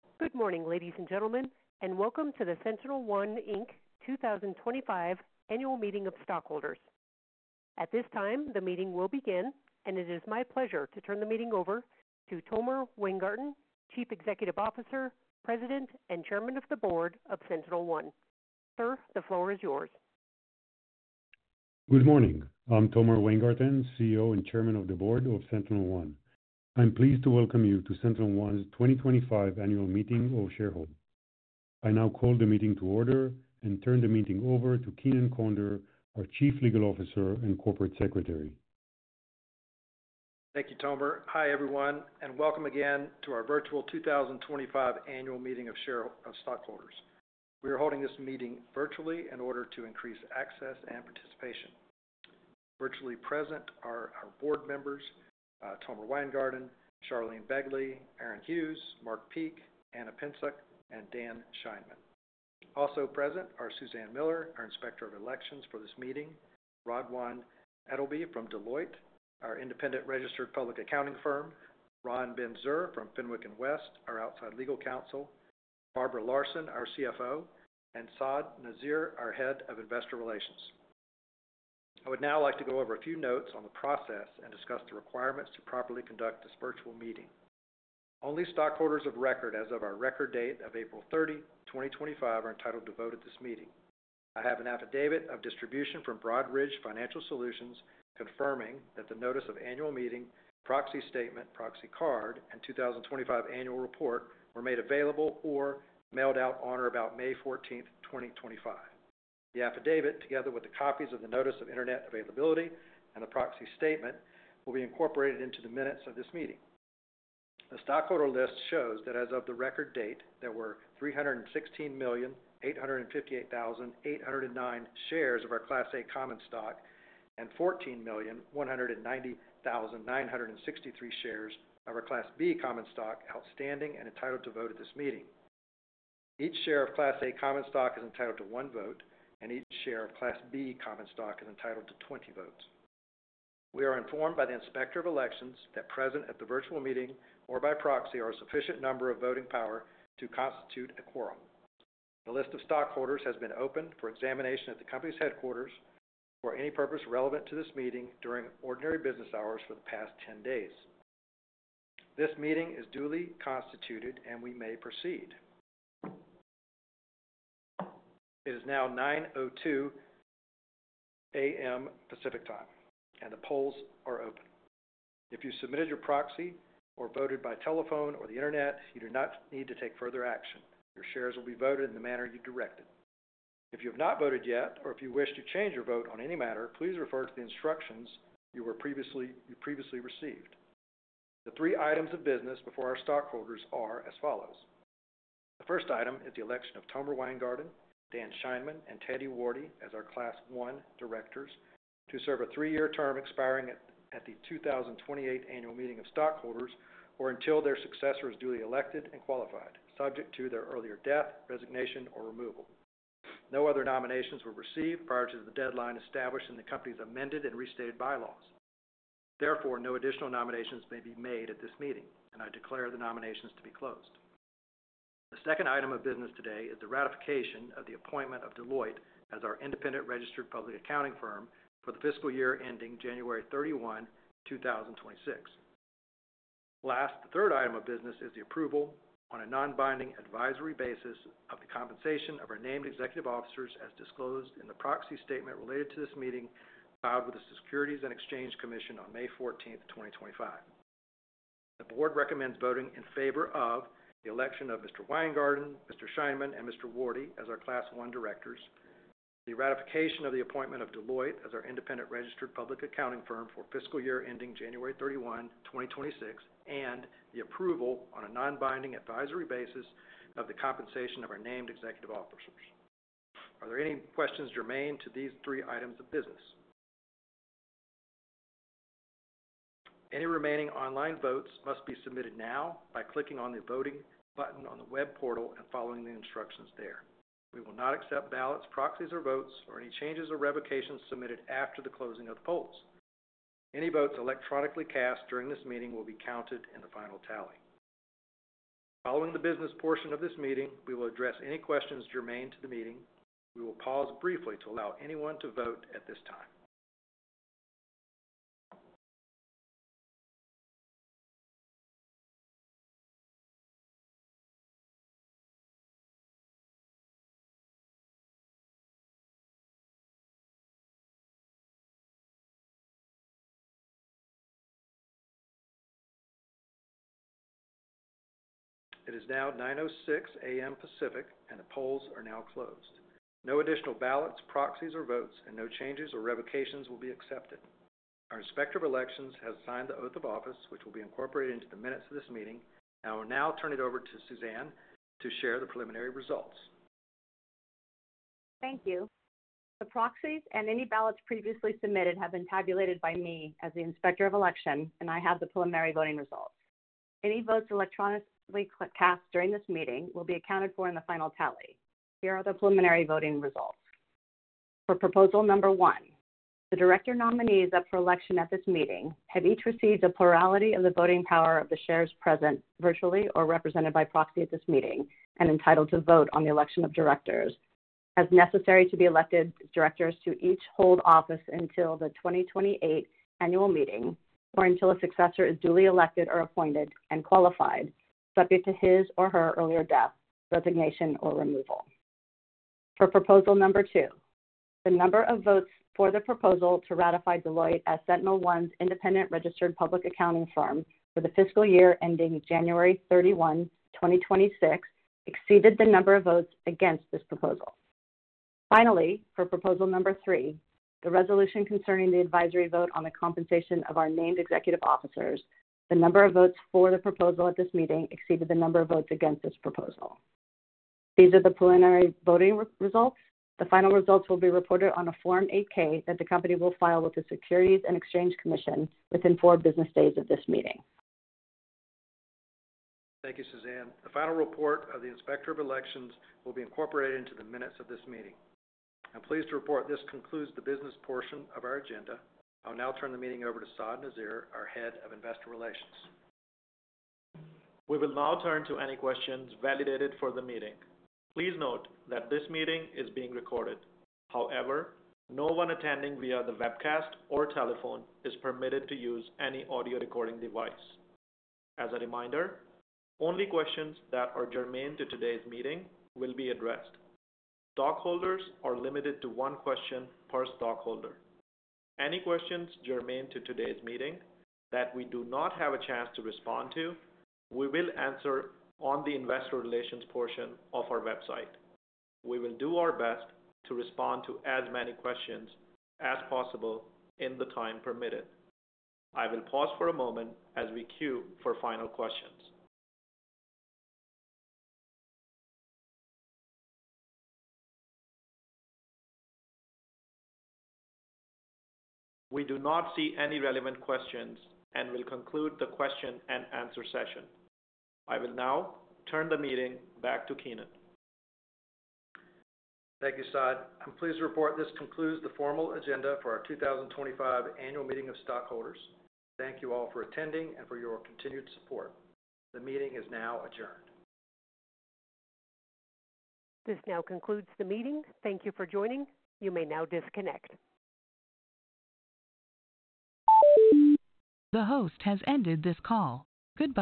Good morning, ladies and gentlemen, and welcome to the SentinelOne 2025 Annual Meeting of Stockholders. At this time, the meeting will begin and it is my pleasure to turn the meeting over to Tomer Weingarten, Chief Executive Officer, President and Chairman of the Board of SentinelOne. Sir, the floor is yours. Good morning. I'm Tomer Weingarten, CEO and Chairman of the Board of SentinelOne. I am pleased to welcome you to SentinelOne's 2025 Annual Meeting of Shareholders. I now call the meeting to order and turn the meeting over to Keenan Conder, our Chief Legal Officer and Corporate Secretary. Thank you, Tomer. Hi, everyone, and welcome again to our virtual 2025 annual meeting of stockholders. We are holding this meeting virtually in order to increase access and participation. Virtually present are our board members Tomer Weingarten, Charlene Begley, Aaron Hughes, Mark Peek, Ana Pinczuk, and Dan Scheinman. Also present are Suzanne Miller, our Inspector of Elections for this meeting, Rodwan Edlbi from Deloitte, our independent registered public accounting firm, Ron Benzer from Fenwick & West, our outside legal counsel, Barbara Larson, our CFO, and Saad Nazir, our Head of Investor Relations. I would now like to go over a few notes on the process and discuss the requirements to properly conduct this virtual meeting. Only stockholders of record, as of our record date of April 30, 2025, are entitled to vote at this meeting. I have an affidavit of distribution from Broadridge Financial Solutions confirming that the notice of annual meeting proxy statement, proxy card, and 2025 annual report were made available or mailed out on or about May 14, 2025. The affidavit, together with the copies of the notice of Internet availability and the proxy statement, will be incorporated into the minutes of this meeting. The stockholder list shows that as of the record date, there were 316,858,809 shares of our Class A common stock and 14,190,963 shares of our Class B common stock outstanding and entitled to vote at this meeting. Each share of Class A common stock is entitled to one vote, and each share of Class B common stock is entitled to 20 votes. We are informed by the Inspector of Elections that present at the virtual meeting or by proxy are a sufficient number of voting power to constitute a quorum. The list of stockholders has been open for examination at the company's headquarters for any purpose relevant to this meeting during ordinary business hours for the past 10 days. This meeting is duly constituted and we may proceed. It is now 9:02 A.M. Pacific Time and the polls are open. If you submitted your proxy or voted by telephone or the Internet, you do not need to take further action. Your shares will be voted in the manner you directed. If you have not voted yet, or if you wish to change your vote on any matter, please refer to the instructions you previously received. The three items of business before our stockholders are as follows. The first item is the election of Tomer Weingarten, Dan Scheinman, and Teddy Wardy as our Class 1 directors to serve a three-year term expiring at the 2028 annual meeting of stockholders or until their successor is duly elected and qualified, subject to their earlier death, resignation, or removal. No other nominations were received prior to the deadline established in the Company's amended and restated bylaws. Therefore, no additional nominations may be made at this meeting, and I declare the nominations to be closed. The second item of business today is the ratification of the appointment of Deloitte as our independent registered public accounting firm for the fiscal year ending January 31, 2026. Last, the third item of business is the approval on a non binding advisory basis of the compensation of our named executive officers as disclosed in the proxy statement related to this meeting filed with the Securities and Exchange Commission on May 14, 2025. The board recommends voting in favor of the election of Mr. Weingarten, Mr. Scheinman, and Mr. Wardy as our Class 1 directors, the ratification of the appointment of Deloitte as our independent registered public accounting firm for the fiscal year ending January 31, 2026, and the approval on a non binding advisory basis of the compensation of our named executive officers. Are there any questions germane to these three items of business? Any remaining online votes must be submitted now by clicking on the voting button on the web portal and following the instructions there. We will not accept ballots, proxies, or votes or any changes or revocations submitted after the closing of the polls. Any votes electronically cast during this meeting will be counted in the final tally. Following the business portion of this meeting, we will address any questions germane to the meeting. We will pause briefly to allow anyone to vote at this time. It is now 9:06 A.M. Pacific and the polls are now closed. No additional ballots, proxies, or votes and no changes or revocations will be accepted. Our Inspector of Elections has signed the oath of office which will be incorporated into the minutes of this meeting and I will now turn it over to Suzanne to share the preliminary results. Thank you. The proxies and any ballots previously submitted have been tabulated by me as the Inspector of Election, and I have the preliminary voting results. Any votes electronically cast during this meeting will be accounted for in the final tally. Here are the preliminary voting results for proposal number one. The Director nominees up for election at this meeting have each received a plurality of the voting power of the shares present virtually or represented by proxy at this meeting and entitled to vote on the election of Directors as necessary to be elected. Directors to each hold office until the 2028 annual meeting or until a successor is duly elected or appointed and qualified, subject to his or her earlier death, resignation or removal. For proposal number two, the number of votes for the proposal to ratify Deloitte as SentinelOne's independent registered public accounting firm for the fiscal year ending January 31, 2026, exceeded the number of votes against this proposal. Finally, for proposal number three, the resolution concerning the advisory vote on the compensation of our named executive officers. The number of votes for the proposal at this meeting exceeded the number of votes against this proposal. These are the preliminary voting results. The final results will be reported on a Form 8-K that the company will file with the Securities and Exchange Commission within four business days of this meeting. Thank you, Suzanne. The final report of the Inspector of Elections will be incorporated into the minutes of this meeting. I'm pleased to report this concludes the business portion of our agenda. I'll now turn the meeting over to Saad Nazir, our Head of Investor Relations. We will now turn to any questions validated for the meeting. Please note that this meeting is being recorded. However, no one attending via the webcast or telephone is permitted to use any audio recording device. As a reminder, only questions that are germane to today's meeting will be addressed. Stockholders are limited to one question per stockholder. Any questions germane to today's meeting that we do not have a chance to respond to, we will answer on the investor relations portion of our website. We will do our best to respond to as many questions as possible in the time permitted. I will pause for a moment as we queue for final questions. We do not see any relevant questions and will conclude the question-and-answer session. I will now turn the meeting back to Keenan. Thank you, Saad. I'm pleased to report this concludes the formal agenda for our 2025 annual meeting of stockholders. Thank you all for attending and for your continued support. The meeting is now adjourned. This now concludes the meeting. Thank you for joining. You may now disconnect. The host has ended this call. Goodbye.